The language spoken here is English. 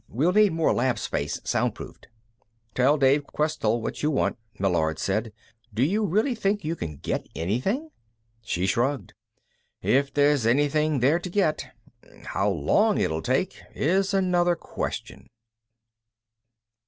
We'll need more lab space, soundproofed." "Tell Dave Questell what you want," Meillard said. "Do you really think you can get anything?" She shrugged. "If there's anything there to get. How long it'll take is another question."